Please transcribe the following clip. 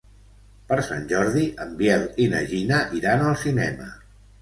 Per Sant Jordi en Biel i na Gina iran al cinema.